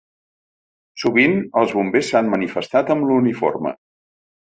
Sovint, els bombers s’han manifestat amb l’uniforme.